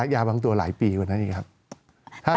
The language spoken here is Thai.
ยาบางตัวหลายปีกว่านั้นอีกครับ